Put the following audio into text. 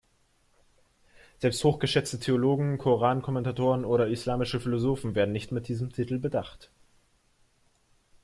Selbst hochgeschätzte Theologen, Koran-Kommentatoren oder islamische Philosophen werden nicht mit diesem Titel bedacht.